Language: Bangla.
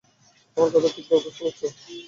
আমার কথা ঠিকভাবে বুঝতে পারছ?